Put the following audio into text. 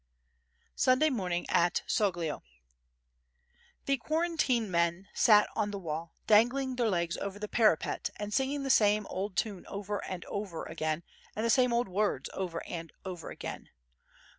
Sunday Morning at Soglio The quarantine men sat on the wall, dangling their legs over the parapet and singing the same old tune over and over again and the same old words over and over again.